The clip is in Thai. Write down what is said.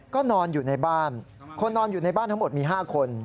ก็นอนอยู่ในบ้านคนนอนอยู่ในบ้านทั้งหมดมี๕คน